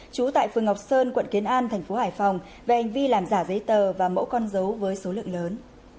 trú tại phường ngọc sơn quận kiến an thành phố hải phòng về hành vi làm giả giấy tờ và mẫu con dấu với số lượng lớn